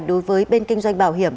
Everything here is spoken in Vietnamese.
đối với bên kinh doanh bảo hiểm